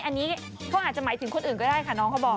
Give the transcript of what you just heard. อันนี้เขาอาจจะหมายถึงคนอื่นก็ได้ค่ะน้องเขาบอก